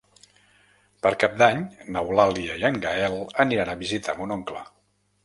Per Cap d'Any n'Eulàlia i en Gaël aniran a visitar mon oncle.